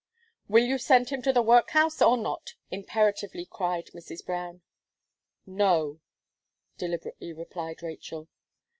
"Will you send him to the workhouse, or not?" imperatively cried Mrs. Brown. "No," deliberately replied Rachel.